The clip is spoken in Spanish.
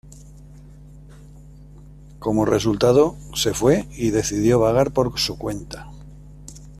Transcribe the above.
Como resultado, se fue y decidió vagar por su cuenta.